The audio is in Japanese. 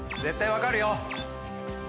絶対分かるよ！